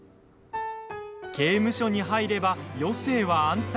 刑務所に入れば余生は安泰。